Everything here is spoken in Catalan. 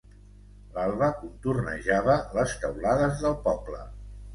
L'alba contornejava les teulades del poble.